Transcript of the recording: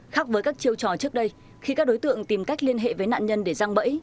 khác với các chiêu trò trước đây khi các đối tượng tìm cách liên hệ với nạn nhân để răng bẫy